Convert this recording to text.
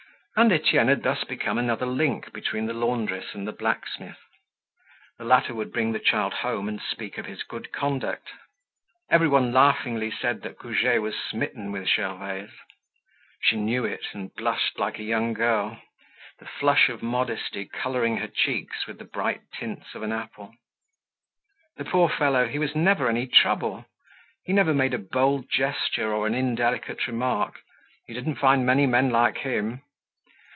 And Etienne had thus become another link between the laundress and the blacksmith. The latter would bring the child home and speak of his good conduct. Everyone laughingly said that Goujet was smitten with Gervaise. She knew it, and blushed like a young girl, the flush of modesty coloring her cheeks with the bright tints of an apple. The poor fellow, he was never any trouble! He never made a bold gesture or an indelicate remark. You didn't find many men like him.